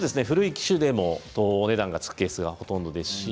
古い機種でもお値段がつくケースがほとんどです。